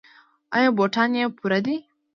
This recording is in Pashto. ایا بوټان یې پوره دي؟